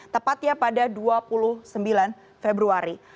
tepatnya pada dua puluh sembilan februari